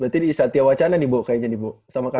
berarti di satya wacana nih ibu kayaknya nih ibu sama kakak